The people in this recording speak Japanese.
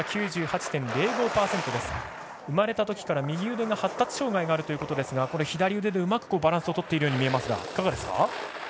生まれたときから右腕に発達障がいがあるということですが左腕でうまくバランスを取っているように見えますが。